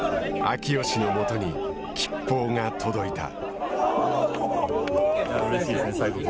秋吉のもとに吉報が届いた。